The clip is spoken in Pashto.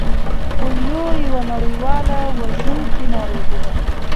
پولیو یوه نړیواله وژونکې ناروغي ده